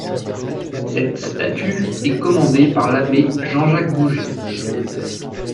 Cette statue est commandée par l'Abbé Jean-Jacques Bouget.